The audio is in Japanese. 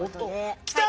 きた！